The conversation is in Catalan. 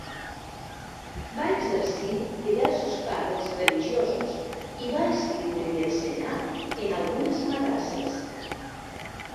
Va exercir diversos càrrecs religiosos i va escriure i ensenyar en algunes madrasses.